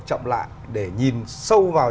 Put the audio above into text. chậm lại để nhìn sâu vào